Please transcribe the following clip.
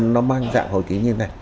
nó mang dạng hồi ký như thế này